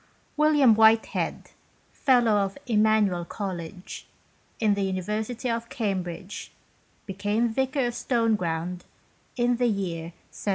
William Whitehead, Fellow of Emmanuel College, in the University of Cambridge, became Vicar of Stoneground in the year 1731.